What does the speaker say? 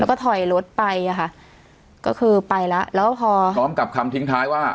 แล้วก็ถอยรถไปอ่ะค่ะก็คือไปแล้วแล้วพอพร้อมกับคำทิ้งท้ายว่า